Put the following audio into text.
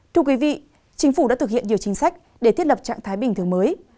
thưa quý vị chính phủ đã thực hiện nhiều chính sách để thiết lập trạng thái bình thường mới